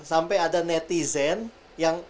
sampe ada netizen yang